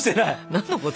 何のこと？